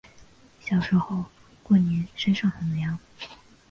小时候过年山上很凉